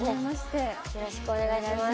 よろしくお願いします。